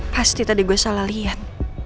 pasti tadi gue salah lihat